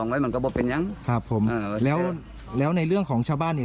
ไว้มันก็บอกเป็นยังครับผมอ่าแล้วแล้วในเรื่องของชาวบ้านเนี่ย